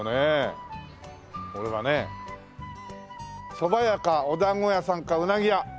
そば屋かお団子屋さんかうなぎ屋！